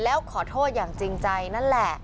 แล้วขอโทษอย่างจริงใจนั่นแหละ